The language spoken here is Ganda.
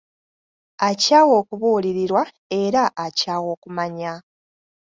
Akyawa okubuulirirwa era akyawa okumanya.